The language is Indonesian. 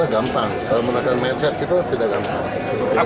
ternyata gampang menangkah mencintai kita tidak gampang